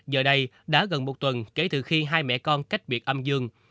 giờ đây đã gần một tuần kể từ khi hai mẹ con cách biệt âm dương